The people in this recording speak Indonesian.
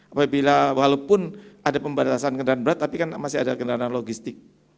apabila walaupun ada pembatasan kendaraan berat tapi kan masih ada kendaraan logistik